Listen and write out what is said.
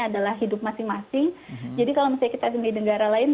adalah hidup masing masing jadi kalau misalnya kita di negara lain